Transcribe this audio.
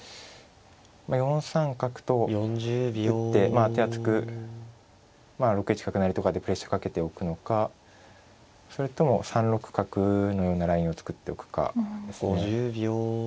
まあ４三角と打ってまあ手厚く６一角成とかでプレッシャーかけておくのかそれとも３六角のようなラインを作っておくかですね。